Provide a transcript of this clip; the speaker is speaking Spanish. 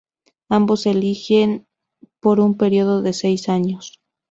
Ambos se eligen por un periodo de seis años.